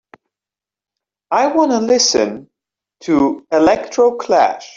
I wanna listen to Electroclash